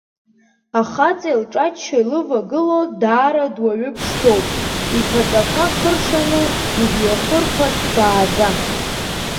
Ахаҵа илҿаччо илывагыло даара дуаҩы ԥшӡоуп, иԥаҵақәа хыршаны, ижәҩахырқәа ҭбааӡа.